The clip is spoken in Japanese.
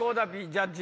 ジャッジ